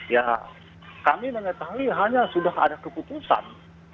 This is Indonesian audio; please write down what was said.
ya kami mengetahui hanya sudah ada keputusan